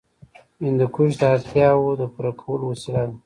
هندوکش د اړتیاوو د پوره کولو وسیله ده.